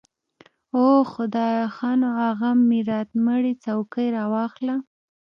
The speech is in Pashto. اوح خدايه ښه نو اغه ميراتمړې چوکۍ راواخله.